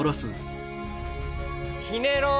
ひねろう。